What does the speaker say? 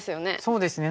そうですね